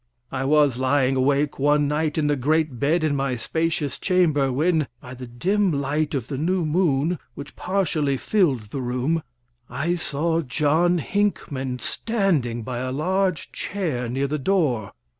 I was lying awake one night, in the great bed in my spacious chamber, when, by the dim light of the new moon, which partially filled the room, I saw John Hinckman standing by a large chair near the door.